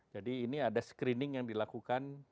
jadi ini ada screening yang dilakukan